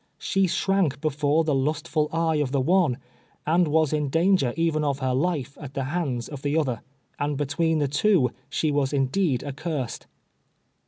She shrank before the lustful eye of the one, and was in danger even of her life at the hands of the other, and between the two, she was indeed accursed.